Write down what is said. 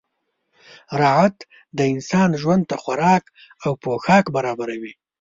راعت د انسان ژوند ته خوراک او پوښاک برابروي.